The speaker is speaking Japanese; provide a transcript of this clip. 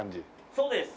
そうですね